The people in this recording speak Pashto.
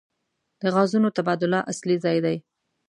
د غازونو تبادله اصلي ځای دی.